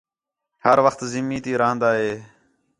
ہر وخت زمین تی راہن٘دا ہے